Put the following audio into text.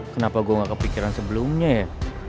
kenapa gue gak kepikiran sebelumnya ya